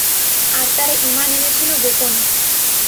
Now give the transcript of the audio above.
আর তারা ঈমান এনেছিল গোপনে।